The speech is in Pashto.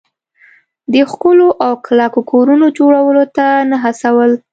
د ښکلو او کلکو کورونو جوړولو ته نه هڅول.